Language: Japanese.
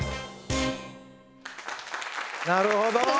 なるほど。